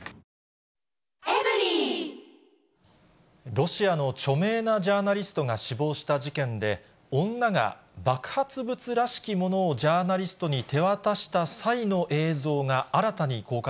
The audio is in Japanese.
ロシアの著名なジャーナリストが死亡した事件で、女が爆発物らしきものをジャーナリストに手渡した際の映像が新た